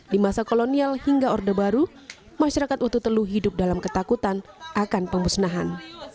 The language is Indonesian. di masa kolonial hingga orde baru masyarakat ututelu hidup dalam ketakutan akan pemusnahan